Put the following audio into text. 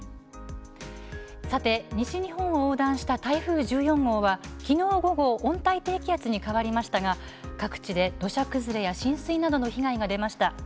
さて西日本を横断した台風１４号はきのう午後温帯低気圧に変わりましたが各地で土砂崩れや浸水などの被害が出ました。